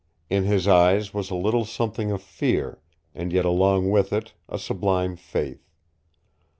In his eyes was a little something of fear, and yet along with it a sublime faith.